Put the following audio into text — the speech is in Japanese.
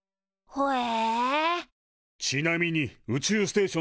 ほえ。